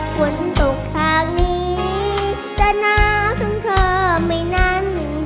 ฝุ่นตกตรงนี้จะน้ำทางเธอไม่นั่ง